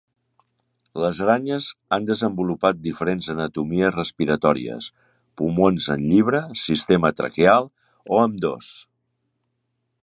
Les aranyes han desenvolupat diferents anatomies respiratòries, pulmons en llibre, sistema traqueal, o ambdós.